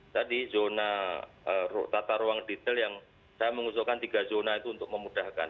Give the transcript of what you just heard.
tadi zona tata ruang detail yang saya mengusulkan tiga zona itu untuk memudahkan